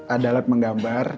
ada alat menggambar